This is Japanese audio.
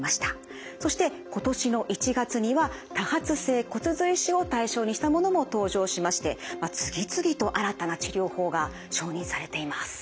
そして今年の１月には多発性骨髄腫を対象にしたものも登場しまして次々と新たな治療法が承認されています。